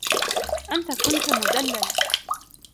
أنت كنتَ مدلّل.